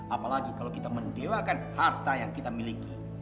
apalagi kalau kita mendewakan harta yang kita miliki